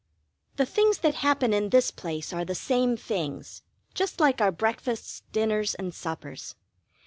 The things that happen in this place are the same things, just like our breakfasts, dinners, and suppers.